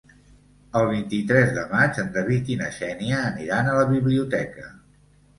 El vint-i-tres de maig en David i na Xènia aniran a la biblioteca.